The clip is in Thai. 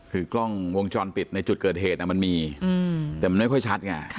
คือกล้องวงจรปิดในจุดเกิดเหตุมันมีแต่มันไม่ค่อยชัดไง